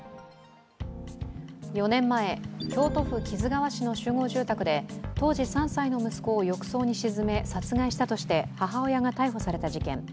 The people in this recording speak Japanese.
４年前、京都府木津川市の集合住宅で当時３歳の息子を浴槽に沈め、殺害したとして母親が逮捕された事件。